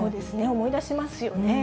思い出しますよね。